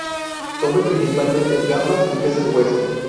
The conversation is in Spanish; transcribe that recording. Come principalmente gambas y peces hueso.